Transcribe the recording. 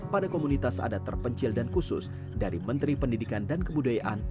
pada komunitas adat terpencil dan khusus dari menteri pendidikan dan kebudayaan